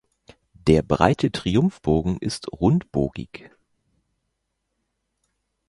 Der breite Triumphbogen ist rundbogig.